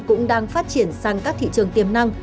cũng đang phát triển sang các thị trường tiềm năng